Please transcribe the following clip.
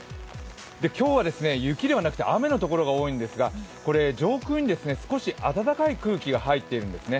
今日は、雪ではなく雨の所が多いんですが、これ上空に少し暖かい空気が入っているんですね。